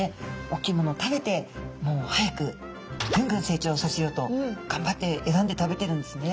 大きいものを食べてもう早くぐんぐん成長させようとがんばって選んで食べてるんですね。